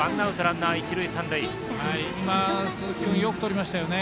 鈴木君よくとりましたよね。